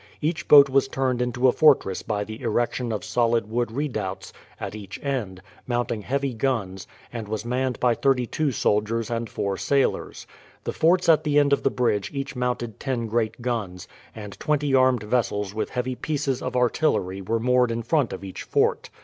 Each boat was turned into a fortress by the erection of solid wooden redoubts at each end, mounting heavy guns, and was manned by thirty two soldiers and four sailors. The forts at the end of the bridge each mounted ten great guns, and twenty armed vessels with heavy pieces of artillery were moored in front of each fort.